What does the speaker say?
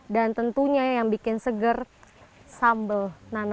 dan tentunya yang bikin seger sambal nanasnya